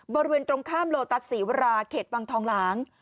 บริเวณตรงข้ามโลตัสศรีวราเขตวังทองหลาง